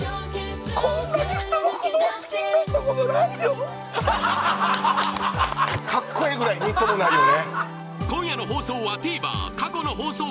こんなに人のことを好きになったことないカッコええぐらいみっともないよね